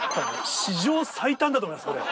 史上最短だと思います